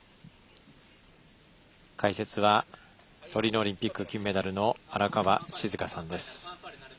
解説はトリノオリンピック金メダルの荒川静香さんです。